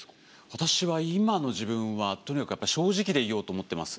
私は今の自分はとにかくやっぱり正直でいようと思ってます。